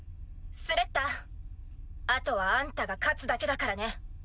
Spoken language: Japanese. スレッタあとはあんたが勝つだけだからね。